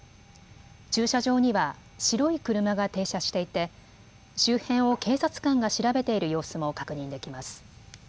駐車場には白い車が停車していて周辺を警察官が調べている様子も確認できます。